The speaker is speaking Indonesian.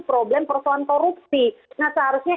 problem persoalan korupsi nah seharusnya